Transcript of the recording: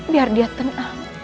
biar dia tenang